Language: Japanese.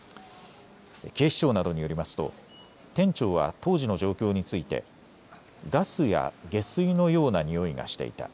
警視庁などによりますと店長は当時の状況についてガスや下水のようなにおいがしていた。